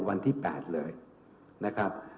วันที่๘เลยนะครับ